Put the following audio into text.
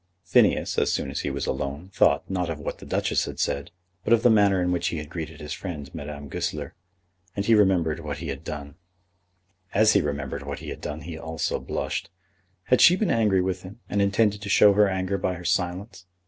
Phineas, as soon as he was alone, thought, not of what the Duchess had said, but of the manner in which he had greeted his friend, Madame Goesler. As he remembered what he had done, he also blushed. Had she been angry with him, and intended to show her anger by her silence?